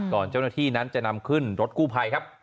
เจ้าหน้าที่นั้นจะนำขึ้นรถกู้ภัยครับ